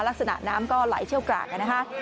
ลักษณะน้ำก็ไหลเชี่ยวกรากนะคะ